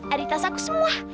ada di tas aku semua